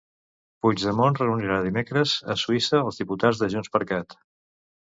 Puigdemont reunirà dimecres a Suïssa els diputats de JxCat.